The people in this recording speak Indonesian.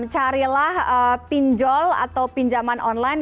carilah pinjol atau pinjaman online